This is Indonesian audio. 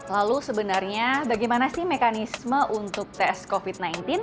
lalu sebenarnya bagaimana sih mekanisme untuk tes covid sembilan belas